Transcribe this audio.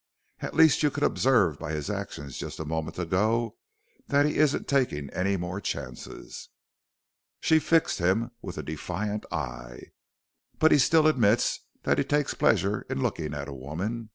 At least you could observe by his actions just a moment ago that he isn't taking any more chances." She fixed him with a defiant eye. "But he still admits that he takes pleasure in looking at a woman!"